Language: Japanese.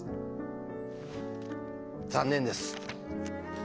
残念です。